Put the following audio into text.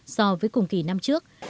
tám so với cùng kỳ năm trước